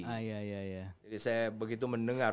jadi saya begitu mendengar